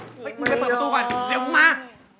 เฮ้ยมึงไปเปิดประตูก่อนเดี๋ยวมึงมา